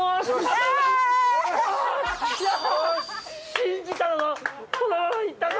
信じたぞ！